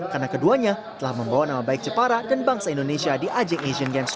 karena keduanya telah membawa nama baik jepara dan bangsa indonesia di ajeng asian games dua ribu delapan belas